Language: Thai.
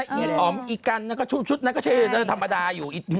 หิดออมอีกกันน่ะก็ชุดนั้นก็ใช่เลยถมวลธรรมดาอยู่